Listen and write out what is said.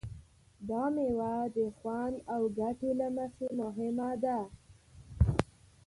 دا مېوه د خوند او ګټې له مخې مهمه ده.